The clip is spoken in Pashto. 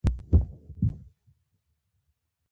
سوله د علم، ټکنالوژۍ او هنر پراختیا ته وده ورکوي.